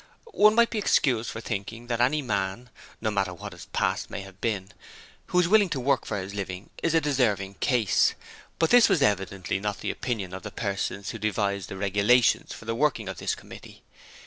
One might be excused for thinking that any man no matter what his past may have been who is willing to work for his living is a 'deserving case': but this was evidently not the opinion of the persons who devised the regulations for the working of this committee.